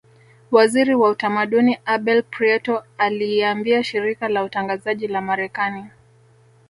Waziri wa utamaduni Abel Prieto aliiambia shirika la utangazaji la marekani